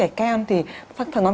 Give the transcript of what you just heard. những cái chảy kem